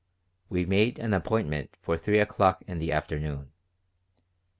We made an appointment for 3 o'clock in the afternoon.